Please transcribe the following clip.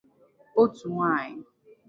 Otu nwaanyị